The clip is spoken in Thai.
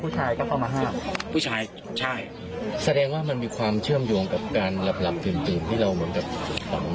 ผู้ชายก็เข้ามาห้ามผู้ชายใช่แสดงว่ามันมีความเชื่อมโยงกับการหลับหลับตื่นตื่นที่เราเหมือนกับฝัง